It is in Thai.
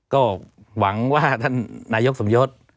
ก็หวังว่าท่านนายกสมยศ